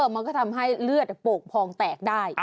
มันก็ทำให้เลือดโป่งพองแตกได้